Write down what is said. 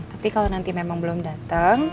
tapi kalo nanti memang belum dateng